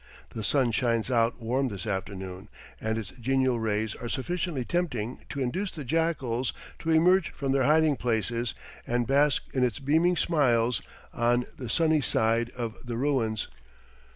The sun shines out warm this afternoon, and its genial rays are sufficiently tempting to induce the jackals to emerge from their hiding places and bask in its beaming smiles on the sunny side of the ruins.